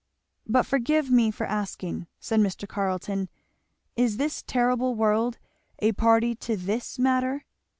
"But forgive me for asking," said Mr. Carleton, "is this terrible world a party to this matter?